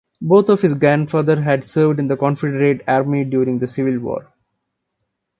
Both of his grandfathers had served in the Confederate Army during the Civil War.